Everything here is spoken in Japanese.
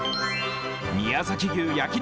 宮崎牛焼肉